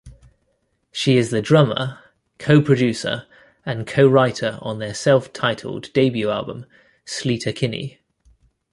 She is the drummer, co-producer and co-writer on their self-titled debut album, "Sleater-Kinney".